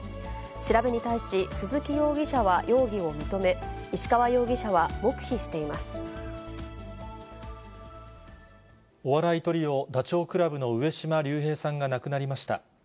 調べに対し、鈴木容疑者は容疑を認め、石川容疑者は黙秘していまお笑いトリオ、ダチョウ倶楽部の上島竜兵さんが亡くなりました。